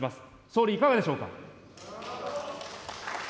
総理、いかがでしょうか。